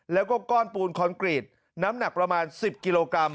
แล้วก็ก้อนปูนคอนกรีตน้ำหนักประมาณ๑๐กิโลกรัม